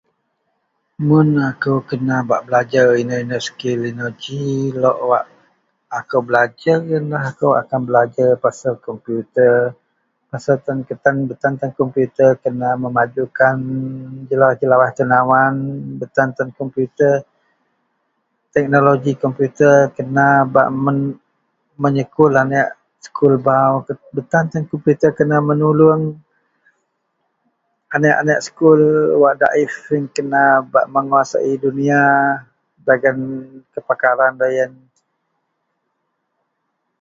Mun akou kena bak belajer inou-inou sekil inou ji lok wak akou belajer yenlah akou akan belajer pasel kompiuta, pasel tan, getan, betan tan kompiuta kena memajukan jelawaih-jelawaih tenawan, betan-tan kompiuta, teknoloji kompiuta kena bak men, menyekul aneak sekul bau, betan-tan kompiuta kena menuluong aneak-aneak sekul wak daif yen kena bak menguasai duniya dagen kepakaran loyen